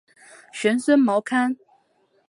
玄孙毛堪。